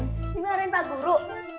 dimarahin pak guru